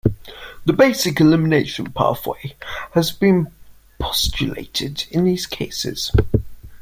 The basic elimination pathway has been postulated in these cases.